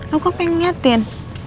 aku pengen ngeliatin